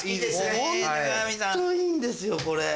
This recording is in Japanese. ホントいいんですよこれ。